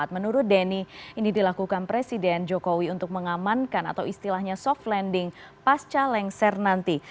menurut denny ini dilakukan presiden jokowi untuk mengamankan atau istilahnya soft landing pasca lengser nanti